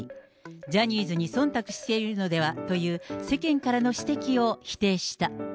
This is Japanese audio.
ジャニーズにそんたくしているのではという世間からの指摘を否定した。